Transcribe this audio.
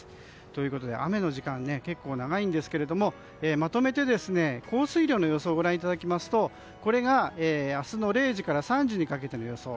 ということで雨の時間結構長いんですがまとめて降水量の予想をご覧いただきますとこれが明日の０時から３時にかけての予想。